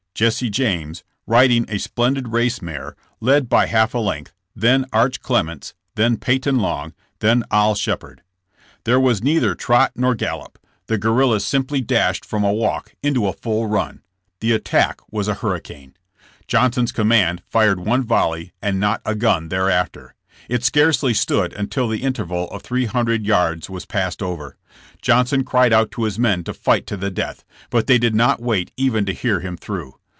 Jesse James, riding a splendid race mare, led by half a length, then Arch Clements, then Peyton Long, then Oil Shep herd. There was neither trot nor gallop; the guer JESSB JAMES AS A GUERRII«I.A. 35 rillas simply dashed from a walk into a full run. The attack was a hurricane. Johnson's command fired one volley and not a gun thereafter. It scarcely stood until the interval of three hundred yards was passed over. Johnson cried out to his men to fight to the death, but they did not wait even to hear him through.